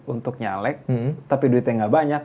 untuk nyaleg tapi duitnya gak banyak